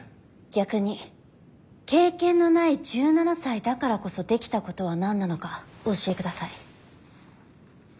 逆に経験のない１７才だからこそできたことは何なのかお教えください。